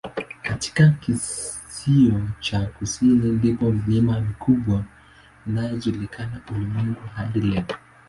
Katika kizio cha kusini ndipo milima mikubwa inayojulikana ulimwenguni hadi leo.